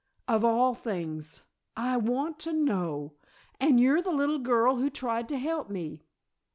"Of all things! I want to know! And you're the little girl who tried to help me!